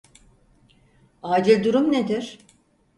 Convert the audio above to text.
Acil durum nedir?